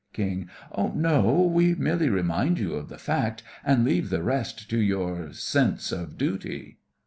KING: No, we merely remind you of the fact, and leave the rest to your sense of duty.